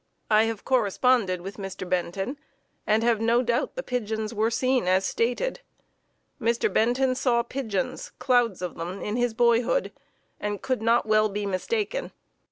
I have corresponded with Mr. Benton and have no doubt the pigeons were seen as stated. Mr. Benton saw pigeons, clouds of them, in his boyhood, and could not well be mistaken.